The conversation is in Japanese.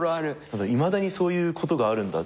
いまだにそういうことがあるんだっていうのは。